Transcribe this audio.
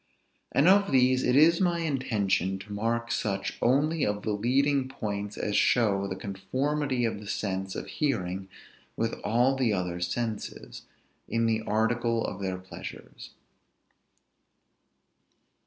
And of these it is my intention to mark such only of the leading points as show the conformity of the sense of hearing with all the other senses, in the article of their pleasures.